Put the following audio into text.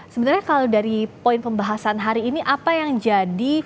sebenarnya kalau dari poin pembahasan hari ini apa yang jadi